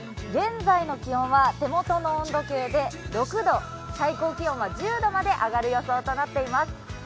現在の気温は手元の温度計で６度、最高気温は１０度まで上がる予想となっています。